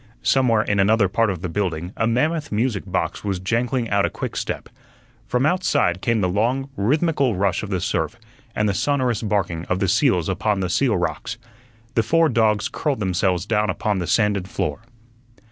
Somewhere in another part of the building a mammoth music box was jangling out a quickstep. From outside came the long, rhythmical rush of the surf and the sonorous barking of the seals upon the seal rocks. The four dogs curled themselves down upon the sanded floor.